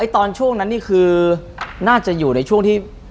ตอนช่วงนั้นนี่คือน่าจะอยู่ในช่วงที่